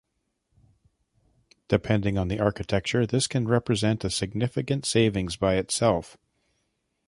Depending on the architecture, this can represent a significant savings by itself.